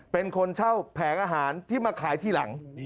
เป็นคนเช่าแผงอาหารที่มาขายทีหลัง